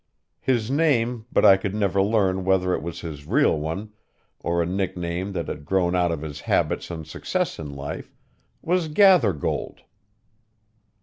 His name but I could never learn whether it was his real one, or a nickname that had grown out of his habits and success in life was Gathergold.